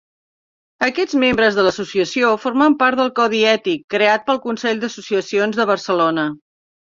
Aquests membres de l'associació formen part del Codi Ètic, creat pel Consell d'Associacions de Barcelona.